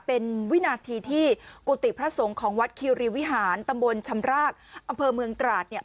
เป็นวินาทีที่กุฏิพระสงฆ์ของวัดคิวรีวิหารตำบลชำรากอำเภอเมืองตราดเนี่ย